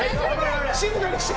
静かにして！